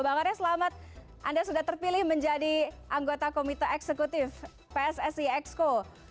bang arya selamat anda sudah terpilih menjadi anggota komite eksekutif pssi exco